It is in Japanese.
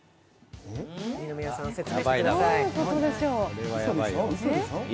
二宮さん、説明してください。